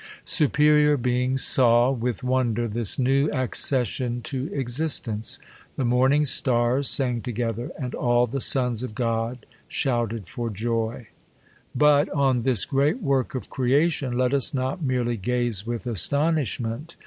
Superior beings saw with' THE COLUMBIAN ORATOR. 57 with wondtT this new accession to existence. *' The morning stars sang together ; and all the sons of God sliouted for joy.'* But, on thii, great work of creation, let us not mere ly gaze with astonishment.